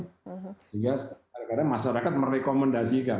sehingga kadang kadang masyarakat merekomendasikan